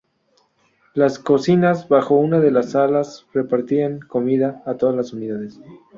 Las cocinas, bajo una de las alas, repartían comida a todas las unidades.